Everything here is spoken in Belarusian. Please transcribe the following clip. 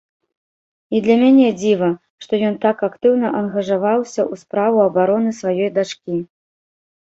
І для мяне дзіва, што ён так актыўна ангажаваўся ў справу абароны сваёй дачкі.